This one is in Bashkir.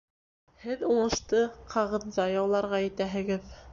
— Һеҙ уңышты ҡағыҙҙа яуларға итәһегеҙ.